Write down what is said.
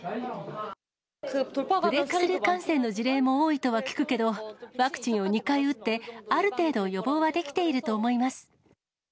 ブレークスルー感染の事例も多いとは聞くけど、ワクチンを２回打って、ある程度予防はできていると思います。